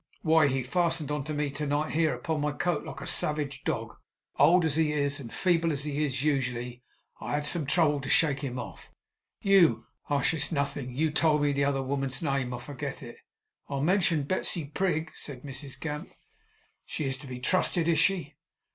Why, he fastened on me to night; here, upon my coat; like a savage dog. Old as he is, and feeble as he is usually, I had some trouble to shake him off. You Hush! It's nothing. You told me the other woman's name. I forget it.' 'I mentioned Betsey Prig,' said Mrs Gamp. 'She is to be trusted, is she?